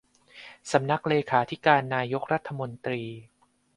สำนักเลขาธิการนายกรัฐมนตรี